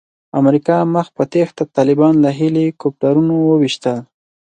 امریکا مخ په تېښته طالبان له هیلي کوپټرونو وویشتل.